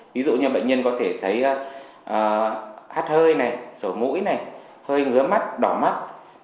ví dụ như bệnh nhân có thể thấy hắt hơi sổ mũi hơi ngứa mắt đỏ mắt